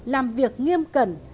làm việc nghiêm cẩn